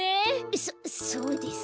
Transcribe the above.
そっそうですか。